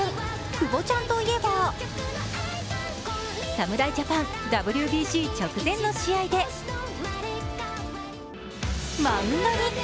久保ちゃんといえば侍ジャパン、ＷＢＣ直前の試合でマウンドに。